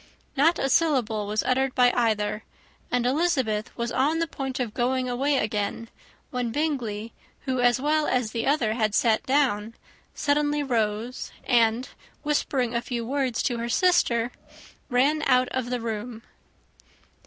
Not a syllable was uttered by either; and Elizabeth was on the point of going away again, when Bingley, who as well as the other had sat down, suddenly rose, and, whispering a few words to her sister, ran out of the room.